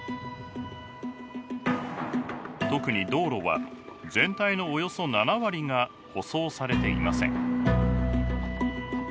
特に道路は全体のおよそ７割が舗装されていません。